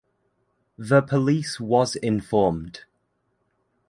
The police was informed.